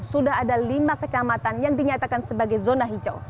sudah ada lima kecamatan yang dinyatakan sebagai zona hijau